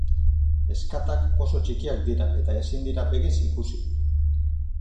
Ezkatak oso txikiak dira eta ezin dira begiz ikusi.